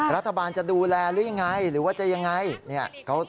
รัฐบาลจะดูแลหรือยังไงหรือว่าจะยังไง